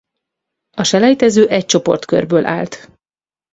A selejtező egy csoportkörből állt.